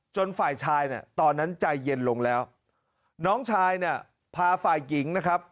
ฝ่ายชายเนี่ยตอนนั้นใจเย็นลงแล้วน้องชายเนี่ยพาฝ่ายหญิงนะครับ